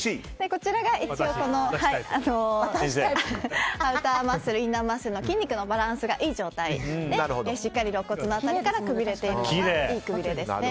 こちらがアウターマッスルインナーマッスルの筋肉のバランスがいい状態でしっかり、ろっ骨の辺りからくびれているのがいいくびれですね。